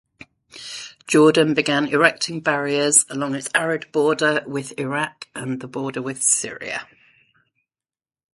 Jordan began erecting barriers along its arid border with Iraq and border with Syria.